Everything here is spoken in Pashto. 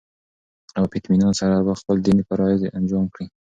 او په اطمينان سره به خپل ديني فرايض انجام كړي